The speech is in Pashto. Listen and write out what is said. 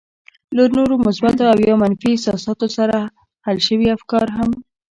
له نورو مثبتو او يا منفي احساساتو سره حل شوي افکار هم.